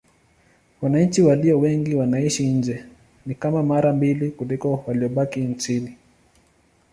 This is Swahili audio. Wananchi walio wengi wanaishi nje: ni kama mara mbili kuliko waliobaki nchini.